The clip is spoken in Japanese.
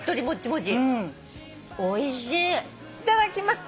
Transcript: いただきます。